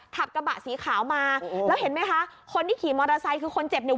ขับกระบะสีขาวมาแล้วเห็นไหมคะคนที่ขี่มอเตอร์ไซค์คือคนเจ็บเนี่ย